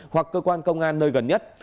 hoặc cơ quan công an nơi gần nhất